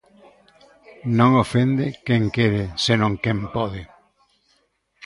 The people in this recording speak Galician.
Non ofende quen quere, senón quen pode.